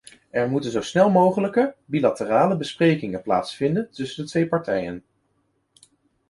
Er moeten zo snel mogelijke bilaterale besprekingen plaatsvinden tussen de twee partijen.